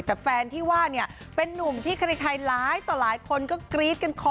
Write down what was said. แต่แฟนที่ว่าเนี่ยเป็นนุ่มที่ใครหลายต่อหลายคนก็กรี๊ดกันคอ